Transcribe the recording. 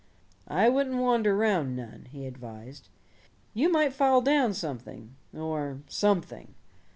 "I wouldn't wander round none," he advised. "You might fall down something or something.